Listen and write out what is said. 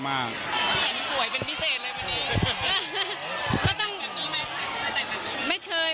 เห็นสวยเป็นพิเศษเลยวันนี้